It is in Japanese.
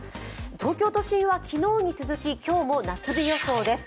東京都心は昨日に続き今日も夏日予想です。